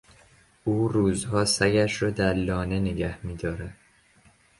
او روزها سگش را در لانه نگه میدارد.